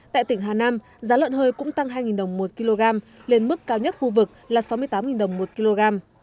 tại tỉnh hà nam giá lợn hơi cũng tăng hai đồng một kg lên mức cao nhất khu vực là sáu mươi tám đồng một kg